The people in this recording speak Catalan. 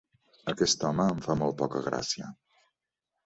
Aquest home em fa molt poca gràcia.